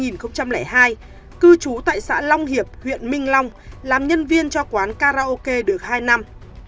năm hai nghìn hai cư trú tại xã long hiệp huyện minh long làm nhân viên cho quán karaoke được hai năm